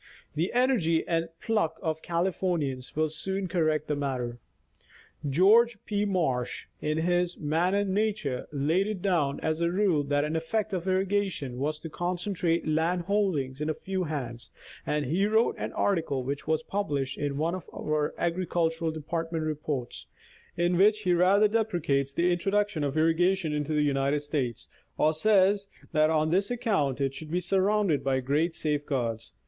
The energy and pluck of Californians will soon correct the matter. George P. Marsh, in his " Man and Nature," laid it down as a rule that an effect of irrigation was to concentrate land holdings in a few hands, and he wrote an article, which was published in "one of our Agricultural Department reports, in which he rather Irrigation in California. 289 deprecates the introduction of irrigation into the United States, or says that on this account it should be surrounded by great safeguards.